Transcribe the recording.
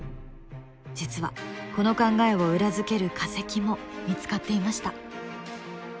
実はこの考えを裏付ける化石も見つかっていました。